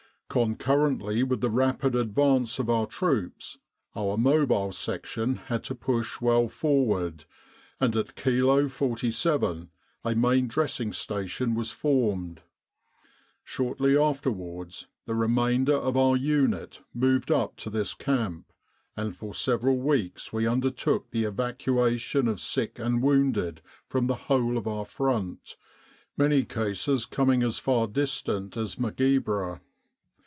"Concurrently with the rapid advance of our troops, our Mobile Section had to push well forward, and at Kilo 47 a Main Dressing Station was formed. Shortly afterwards the remainder of our unit moved up to this camp, and for several weeks we undertook the evacuation of sick and wounded from the whole of our Front, many cases coming as far distant as Mageibra.